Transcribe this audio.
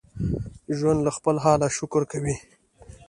ژوندي له خپل حاله شکر کوي